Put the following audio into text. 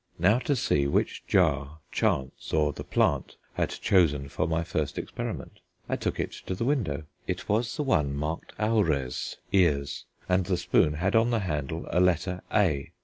Now to see which jar chance or the plant had chosen for my first experiment. I took it to the window: it was the one marked aures ears and the spoon had on the handle a letter A.